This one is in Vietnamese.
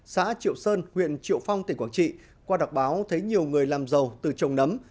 xã triệu sơn huyện triệu phong tỉnh quảng trị qua đọc báo thấy nhiều người làm giàu từ trồng nấm